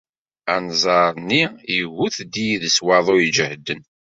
Anẓar-nni iwet-d yid-s waḍu ijehden.